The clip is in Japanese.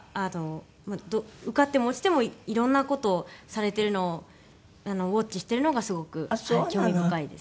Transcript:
受かっても落ちてもいろんな事をされてるのをウォッチしてるのがすごく興味深いです。